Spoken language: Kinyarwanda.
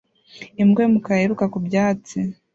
Imbwa y'umukara yiruka ku byatsi